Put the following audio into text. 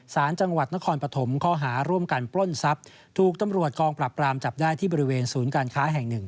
สารจังหวัดนครปฐมข้อหาร่วมกันปล้นทรัพย์ถูกตำรวจกองปรับปรามจับได้ที่บริเวณศูนย์การค้าแห่งหนึ่ง